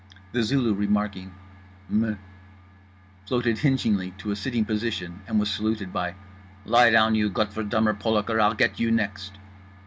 The Zulu, remarking "Muh" floated hingingly to a sitting position and was saluted by "Lie down you Gottverdummer Polaker, I'll get you next."